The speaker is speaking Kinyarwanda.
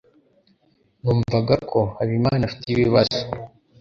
Numvaga ko Habimana afite ibibazo.